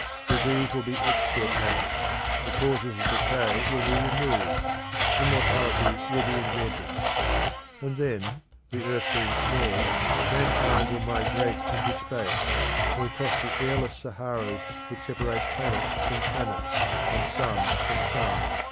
Disease will be extirpated; the causes of decay will be removed; immortality will be invented. And then, the earth being small, mankind will migrate into space, and will cross the airless Saharas which separate planet from planet, and sun from sun.